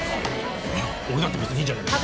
俺だって別にいいじゃねえかよ。